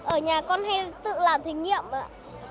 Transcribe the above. ở nhà con hay tự làm thử nghiệm ạ